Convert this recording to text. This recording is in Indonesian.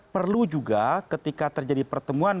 perlu juga ketika terjadi pertemuan